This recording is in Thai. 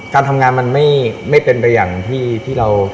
การทำงานมันไม่เป็นไปอย่างที่เรา